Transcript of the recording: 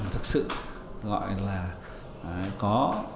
thực sự có